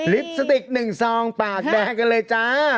สติก๑ซองปากแดงกันเลยจ้า